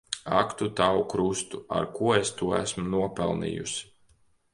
Ak tu tavu krustu! Ar ko es to esmu nopelnījusi.